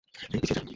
হেই, পিছিয়ে যান!